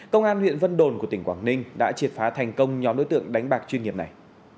công an huyện vân đồn của tỉnh quảng ninh đã triệt phá thành công nhóm đối tượng đánh bạc chuyên nghiệp này